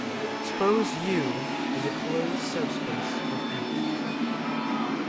Suppose "U" is a closed subspace of "X".